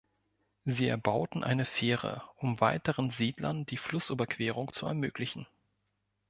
Sie erbauten eine Fähre, um weiteren Siedlern die Flussüberquerung zu ermöglichen.